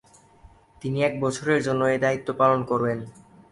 তিনি এক বছরের জন্য এ দায়িত্ব পালন করবেন।